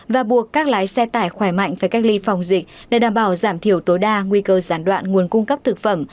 và buộc các lái xe tải khỏe mạnh phải cách ly phòng dịch để đảm bảo giảm thiểu tối đa nguy cơ gián đoạn nguồn cung cấp thực phẩm